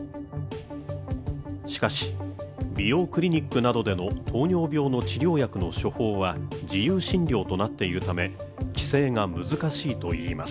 しかし美容クリニックなどでの糖尿病の治療薬の処方は自由診療となっているため規制が難しいといいます